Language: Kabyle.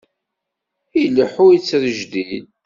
Ileḥḥu yettrejdil.